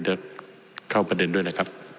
เข้ากับประเด็นด้วยนะครับ